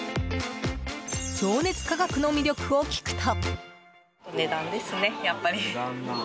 情熱価格の魅力を聞くと。